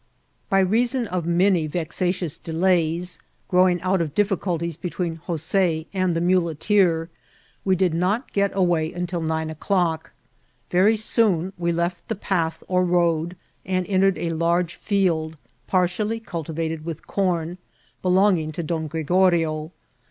By reason of many vexatious delays, growing out of difBculties between Jose and the mulete^, we did not get away until nine o'clock. Very soon we left the path or road, and entered a large field, partially culti vated with com, belonging to Don Gregorio.